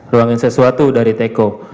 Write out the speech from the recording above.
ruangin sesuatu dari teko